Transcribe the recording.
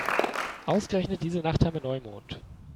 Ausgerechnet diese Nacht haben wir Neumond.